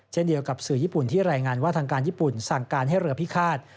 เช่นเดียวกับสื่อญี่ปุ่นที่รายงานว่าทางการญี่ปุ่นสั่งการให้เรือพิฆาต